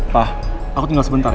pak aku tinggal sebentar